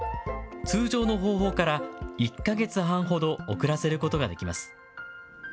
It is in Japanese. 通常の方法から１か月半ほど遅らせることができます。